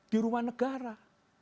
di rumah negara